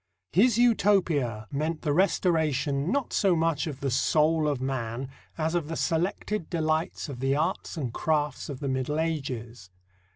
His Utopia meant the restoration, not so much of the soul of man, as of the selected delights of the arts and crafts of the Middle Ages.